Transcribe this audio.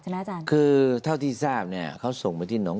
ใช่ไหมอาจารย์คือเท่าที่ทราบเนี้ยเขาส่งไปที่หรือน้อง